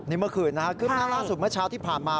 นี่เมื่อคืนนะครับขึ้นหน้าล่าสุดเมื่อเช้าที่ผ่านมา